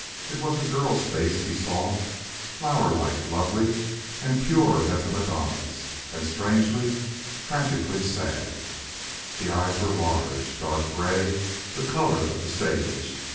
It was a girl's face he saw, flower like, lovely and pure as a Madonna's, and strangely, tragically sad. The eyes were large, dark gray, the color of the sage.